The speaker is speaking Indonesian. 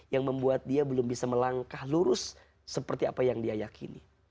yang membuat dia belum bisa melangkah lurus seperti apa yang dia yakini